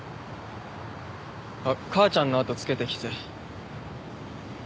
あっ母ちゃんの後つけてきて。